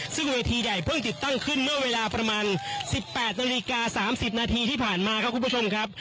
ซึ่งเวทีใหญ่เพิ่งติดตั้งขึ้นเมื่อเวลาประมาณ๑๘นาฬิกา๓๐นาทีที่ผ่านมาครับคุณผู้ชมครับ